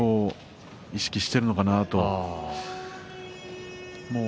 意識しているのかなとは。